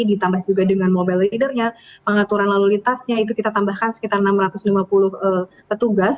ditambah juga dengan mobile leadernya pengaturan lalu lintasnya itu kita tambahkan sekitar enam ratus lima puluh petugas